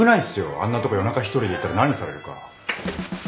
あんなとこ夜中一人で行ったら何されるか。